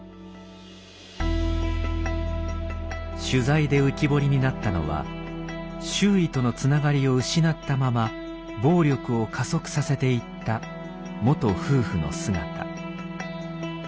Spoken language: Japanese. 取材で浮き彫りになったのは周囲とのつながりを失ったまま暴力を加速させていった元夫婦の姿。